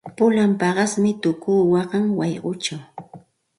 Pulan paqasmi tuku waqan wayquchaw.